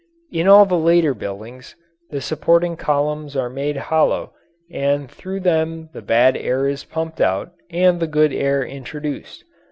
In all the later buildings, the supporting columns are made hollow and through them the bad air is pumped out and the good air introduced.